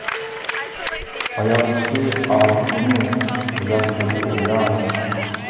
ئايال كىشى ئاجىزمىز، ئۇيات بولىدۇ ئۇيات.